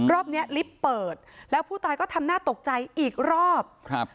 รอบเนี้ยลิฟต์เปิดแล้วผู้ตายก็ทำน่าตกใจอีกรอบครับ